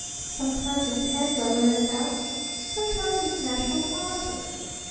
Sometimes it's hens I learn about. Sometimes it's national politics.